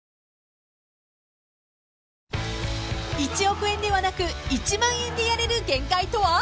［１億円ではなく１万円でやれる限界とは？］